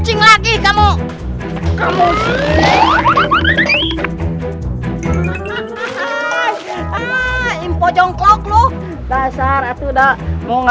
selasi selasi bangun